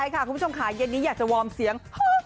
คุณผู้ชมค่ะเย็นนี้อยากจะวอร์มเสียง